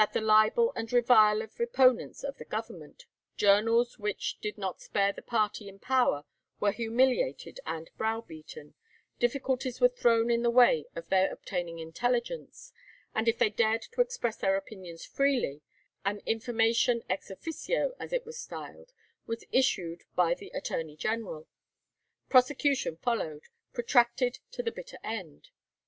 While ministerial prints might libel and revile the opponents of the governments, journals which did not spare the party in power were humiliated and brow beaten, difficulties were thrown in the way of their obtaining intelligence, and if they dared to express their opinions freely, "an information ex officio," as it was styled, was issued by the Attorney General. Prosecution followed, protracted to the bitter end.